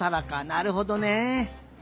なるほどね。